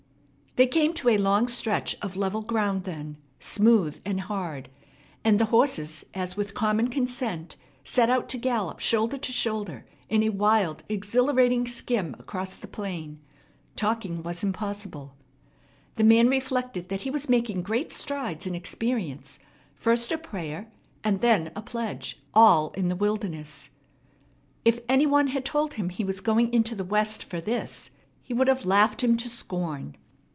They came to a long stretch of level ground then, smooth and hard; and the horses as with common consent set out to gallop shoulder to shoulder in a wild, exhilarating skim across the plain. Talking was impossible. The man reflected that he was making great strides in experience, first a prayer and then a pledge, all in the wilderness. If any one had told him he was going into the West for this, he would have laughed him to scorn.